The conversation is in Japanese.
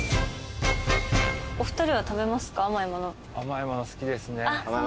甘いもの好きですね。